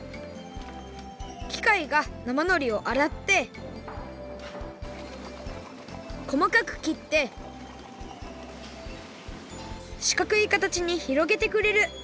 きかいが生のりをあらってこまかくきってしかくいかたちにひろげてくれる。